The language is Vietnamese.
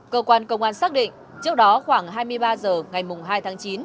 cơ quan công an xác định trước đó khoảng hai mươi ba h ngày hai tháng chín